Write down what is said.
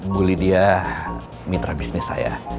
bu lydia mitra bisnis saya